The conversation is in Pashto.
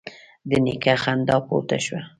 د نيکه خندا پورته شوه: